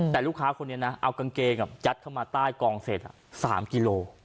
แต่ลูกค้าคนนี้นะเอากางเกงยัดเข้ามาใต้กองเสร็จ๓กิโล